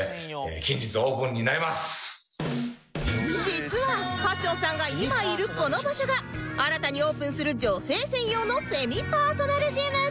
実はパッションさんが今いるこの場所が新たにオープンする女性専用のセミパーソナルジム